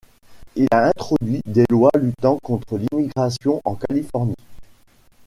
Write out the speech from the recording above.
Il a introduit des lois luttant contre l'immigration en Californie.